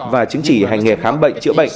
và chứng chỉ hành nghề khám bệnh chữa bệnh